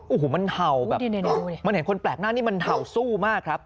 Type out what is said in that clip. โอ้โหมันเห่าแบบมันเห็นคนแปลกหน้านี่มันเห่าสู้มากครับ